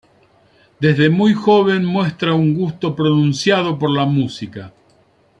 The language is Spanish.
Desde muy joven muestra un gusto pronunciado por la música.